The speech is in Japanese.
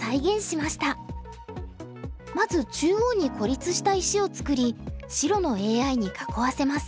まず中央に孤立した石を作り白のＡＩに囲わせます。